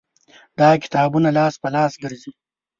دا کتابونه لاس په لاس ګرځېدل